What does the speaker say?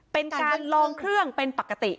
เป็นการลองเครื่องเป็นปกติ